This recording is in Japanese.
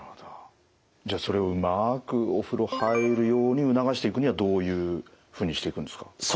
じゃあそれをうまくお風呂入るように促していくにはどういうふうにしていくんですか？